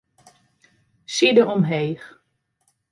Side omheech.